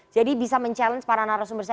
jadi bisa mencabar para narasumber saya